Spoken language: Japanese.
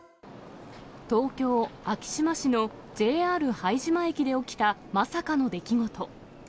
東京・昭島市のＪＲ拝島駅で起きたまさかの出来事。